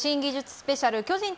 スペシャル巨人対